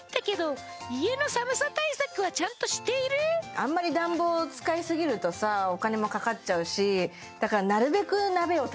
あんまり暖房使いすぎるとさお金もかかっちゃうしだからなるべく